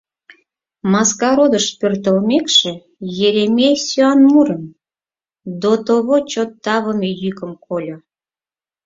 Маскародыш пӧртылмекше, Еремей сӱан мурым, дотово чот тавыме йӱкым кольо.